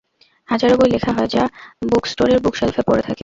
হাজারো বই লেখা হয়, যা বুকস্টোরের বুকসেল্ফে পড়ে থাকে!